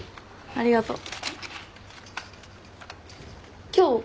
ありがとう。